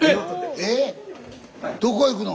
えっどこ行くの？